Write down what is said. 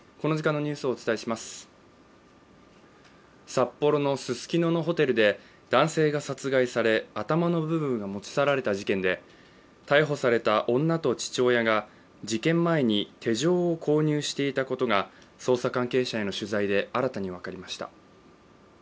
札幌のススキノのホテルで、男性が殺害され、頭の部分を持ち去られた事件で逮捕された女と父親が事件前に手錠を購入していたことが捜査関係者への取材で新たに分かりました。